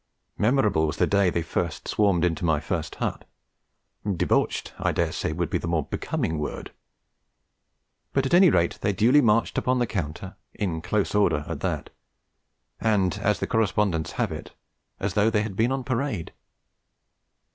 Memorable was the night they first swarmed into my first hut. 'Debouched,' I daresay, would be the more becoming word; but at any rate they duly marched upon the counter, in close order at that, and (as the correspondents have it) 'as though they had been on parade.'